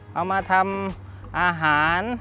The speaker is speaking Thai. เอามาทำอาหาร